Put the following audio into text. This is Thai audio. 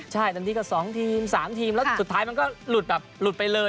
ใช่ทันทีก็๒ทีม๓ทีมแล้วสุดท้ายมันก็หลุดแบบหลุดไปเลย